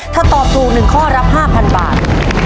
ถ้าตอบถูก๑ข้อรับ๕๐๐บาท